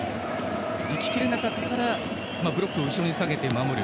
行ききれなかったらブロックを後ろに下げて守る。